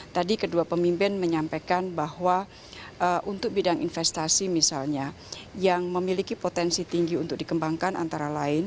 tadi kedua pemimpin menyampaikan bahwa untuk bidang investasi misalnya yang memiliki potensi tinggi untuk dikembangkan antara lain